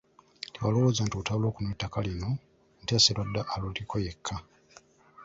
Tebalowooza nti olutalo lw'okununula ettaka lino, Muteesa Sserwadda aluliko yekka.